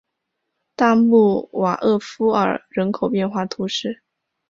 大穆瓦厄夫尔人口变化图示